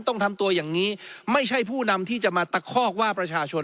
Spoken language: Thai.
ต้องทำตัวอย่างนี้ไม่ใช่ผู้นำที่จะมาตะคอกว่าประชาชน